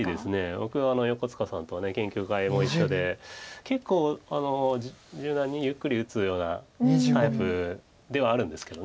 僕は横塚さんとは研究会も一緒で結構柔軟にゆっくり打つようなタイプではあるんですけど。